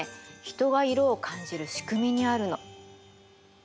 人が色を感じる仕組みにあるの。